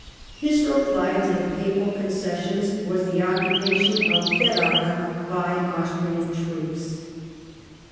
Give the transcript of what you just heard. His reply to the Papal concessions was the occupation of Ferrara by Austrian troops.